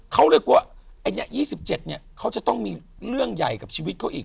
๙เขาเรียกว่า๒๗เนี่ยเขาจะต้องมีเรื่องใหญ่กับชีวิตเขาอีก